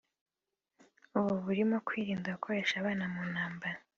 ubu burimo kwirinda gukoresha abana mu ntambara